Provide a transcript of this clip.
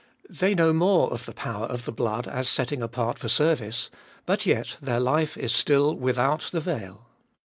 They know more of the power of the blood as setting apart for service ; but yet their life is still without the veil.